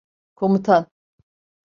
Komutan.